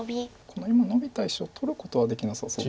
この今ノビた石を取ることはできなさそうです